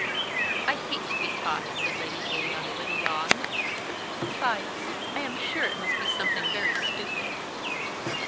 "I hate to be taught," said Lady Juliana, with a yawn; "besides, I am sure it must be something very stupid."